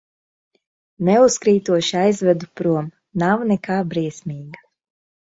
Neuzkrītoši aizvedu prom, nav nekā briesmīga.